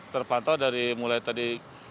terpantau dari mulai tadi